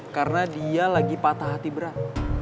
karena dia lagi patah hati berat